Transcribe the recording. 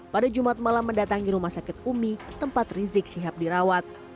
pada jumat malam mendatangi rumah sakit umi tempat rizik syihab dirawat